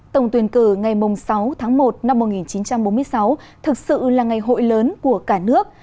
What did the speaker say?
tổng tuyển cử ngày sáu tháng một năm một nghìn chín trăm bốn mươi sáu thực sự là ngày hội lớn của cả nước